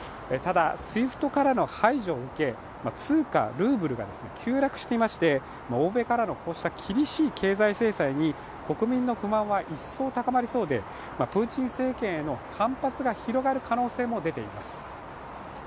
ただＳＷＩＦＴからの排除を受け、通過ルーブルが急落していて欧米からのこうした厳しい経済制裁に国民の不満は一層高まりそうで、プーチン政権への反発が広がる可能性も出ています。